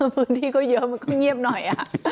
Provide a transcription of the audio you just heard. พื้นที่ก็เยอะมันก็เงียบหน่อย